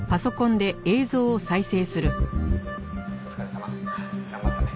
「お疲れさま。頑張ったね」